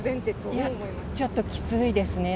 いや、ちょっときついですね。